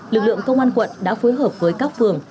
lực lượng công an quận đã phối hợp với các phường